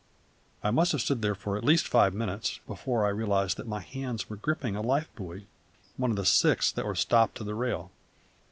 I must have stood thus for at least five minutes before I realised that my hands were gripping a life buoy, one of six that were stopped to the rail.